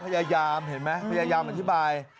พยายามเห็นไหมพยายามอธิบาย